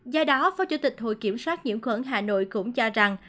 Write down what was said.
do đó phó chủ tịch hội kiểm soát nhiễm khuẩn hà nội cũng cho rằng